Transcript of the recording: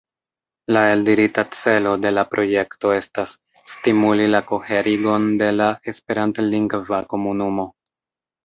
La eldirita celo de la projekto estas "stimuli la koherigon de la esperantlingva komunumo".